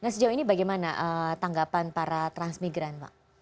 sejauh ini bagaimana tanggapan para transmigran